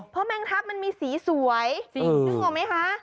เพราะแมงทัพมันมีสีสวยนึกออกไหมคะ